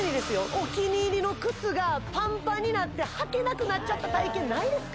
お気に入りの靴がパンパンになって履けなくなっちゃった体験ないですか？